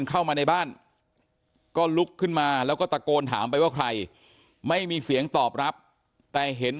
เข้ามาในบ้านก็ลุกขึ้นมาแล้วก็ตะโกนถามไปว่าใครไม่มีเสียงตอบรับแต่เห็น